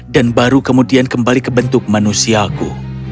baru kemudian kembali ke bentuk manusiaku